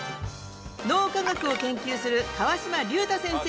脳科学を研究する川島隆太先生です。